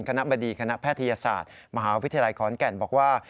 คณะบดีคณะแพทยศาสตร์มหาวิทยาลัยขอนแก่นบอกว่า